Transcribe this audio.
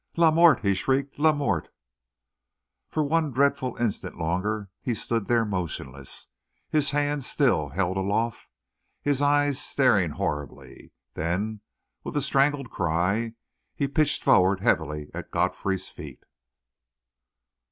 "La mort!" he shrieked. "La mort!" For one dreadful instant longer he stood there motionless, his hands still held aloft, his eyes staring horribly; then, with a strangled cry, he pitched forward heavily at Godfrey's feet.